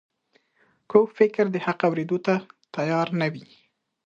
کوږ فکر د حق اورېدو ته تیار نه وي